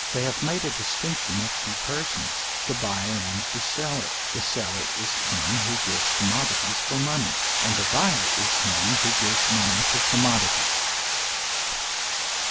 They have made a distinction of two persons, the buyer and the seller: the seller is him who gives commodities for money; and the buyer is him who gives money for commodities.